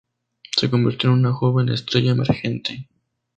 Se convirtió en una joven estrella emergente.